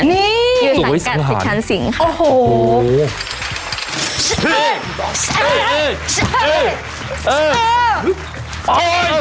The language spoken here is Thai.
นี่สวยสังหารสิชชานสิงค่ะโอ้โห